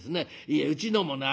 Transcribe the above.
いえうちのもね